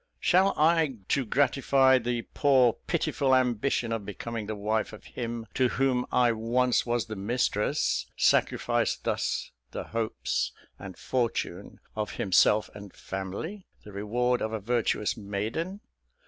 Shall I, to gratify the poor, pitiful ambition of becoming the wife of him, to whom I once was the mistress, sacrifice thus the hopes and fortune of himself and family, the reward of a virtuous maiden?'